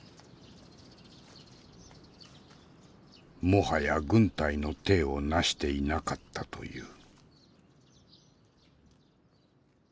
もはや軍隊の体を成していなかったという。